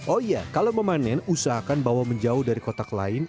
oh iya kalau memanen usahakan bawa menjauh dari kotak lain